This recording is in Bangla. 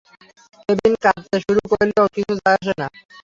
কেভিন কাঁদতে শুরু করলেও কিছু যায় আসে না।